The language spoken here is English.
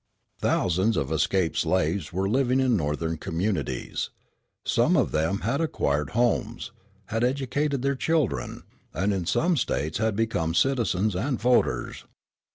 Thousands of escaped slaves were living in Northern communities. Some of them had acquired homes, had educated their children, and in some States had become citizens and voters.